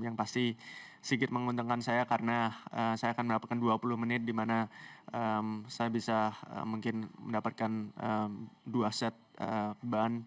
yang pasti sigit menguntungkan saya karena saya akan mendapatkan dua puluh menit di mana saya bisa mungkin mendapatkan dua set beban